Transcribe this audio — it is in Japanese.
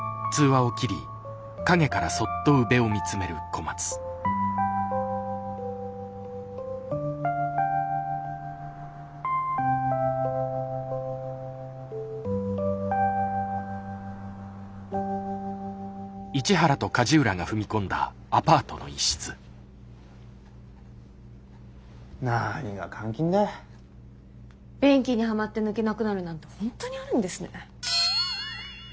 便器にはまって抜けなくなるなんて本当にあるんですね。